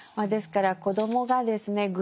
ですから子どもがですね